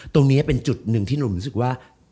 ตรงนี้เป็นจุดหนึ่งที่หนุ่มรู้สึกว่า